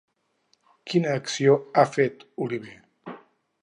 Quina acció ha fet Oliver?